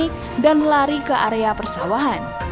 pelaku panik dan lari ke area persawahan